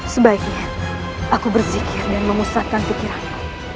sebaiknya aku bersikir dan memusatkan pikiranku